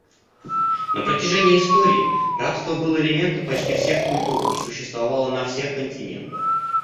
На протяжении истории рабство было элементом почти всех культур и существовало на всех континентах.